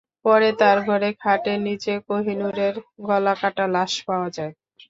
পরে তাঁর ঘরে খাটের নিচে কোহিনুরের গলা কাটা লাশ পাওয়া যায়।